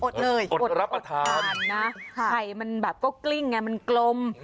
อดรับประทานนะไข่มันแบบก็กลิ้งไงมันกลม